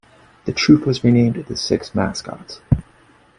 The troupe was renamed "The Six Mascots".